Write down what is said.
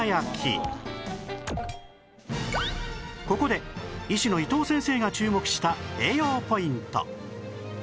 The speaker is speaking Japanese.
ここで医師の伊藤先生が注目した栄養ポイント